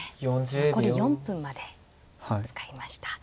残り４分まで使いました。